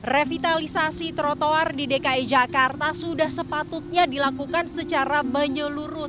revitalisasi trotoar di dki jakarta sudah sepatutnya dilakukan secara menyeluruh